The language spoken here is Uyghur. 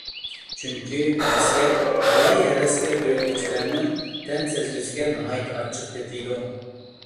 چۈنكى، نەسىھەت ھاۋايى - ھەۋەسكە بېرىلگۈچىلەرنىڭ تەم سەزگۈسىگە ناھايىتى ئاچچىق تېتىيدۇ.